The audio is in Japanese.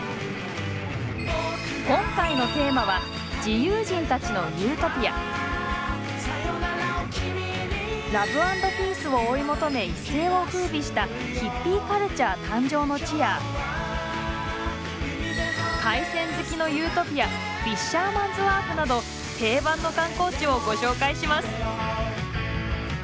今回のテーマは「ラブ・アンド・ピース」を追い求め一世を風靡した海鮮好きのユートピアフィッシャーマンズワーフなど定番の観光地をご紹介します！